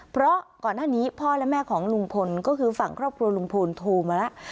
เพราะก่อนหน้านี้พ่อและแม่ของลุงพลก็คือฝั่งครอบครัวลุงพลโทรมาแล้ว